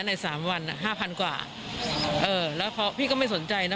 ในสามวันห้าพันกว่าเออแล้วพี่ก็ไม่สนใจนะ